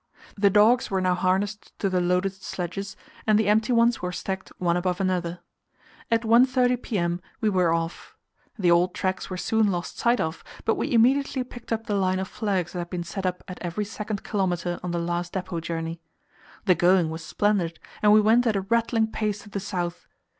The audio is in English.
The dogs were now harnessed to the loaded sledges, and the empty ones were stacked one above another. At 1.30 p.m. we were off. The old tracks were soon lost sight of, but we immediately picked up the line of flags that had been set up at every second kilometre on the last depot journey. The going was splendid, and we went at a rattling pace to the south.